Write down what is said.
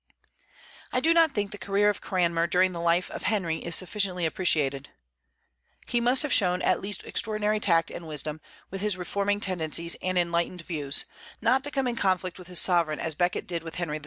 I do not think the career of Cranmer during the life of Henry is sufficiently appreciated. He must have shown at least extraordinary tact and wisdom, with his reforming tendencies and enlightened views, not to come in conflict with his sovereign as Becket did with Henry II.